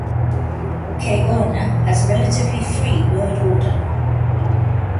Kaurna has relatively free word order.